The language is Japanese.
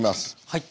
はい。